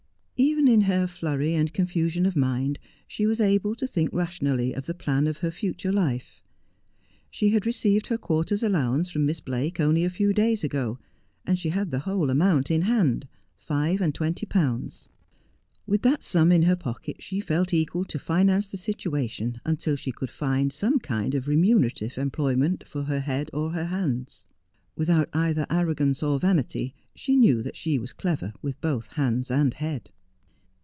Even in her flurry and confusion of mind she was able to think rationally of the plan of her future life. She had received her quarter's allowance from Miss Blake only a few days ago, and she had the whole amount in hand — five and twenty pounds. With that sum in her pocket she felt equal to finance the situa tion until she could find some kind of remunerative employment for her head or her hands. "Without either arrogance or vanity she knew that she was clever with both hands and head.